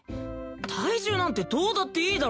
体重なんてどうだっていいだろ。